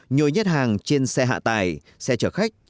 nhồi nhất hàng trên xe hạ tài xe chở khách